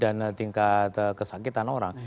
dan tingkat kesakitan orang